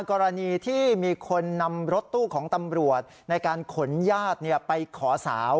กรณีที่มีคนนำรถตู้ของตำรวจในการขนญาติไปขอสาว